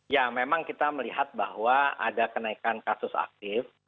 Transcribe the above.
ya memang kita melihat bahwa ada kenaikan kasus aktif